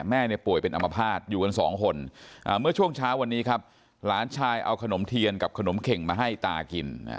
แม่เนี่ยป่วยเป็นอัมพาตอยู่กันสองคนเมื่อช่วงเช้าวันนี้ครับหลานชายเอาขนมเทียนกับขนมเข่งมาให้ตากิน